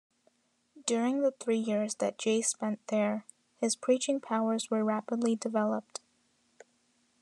During the three years that Jay spent there, his preaching powers were rapidly developed.